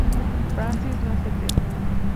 Francis Ng: T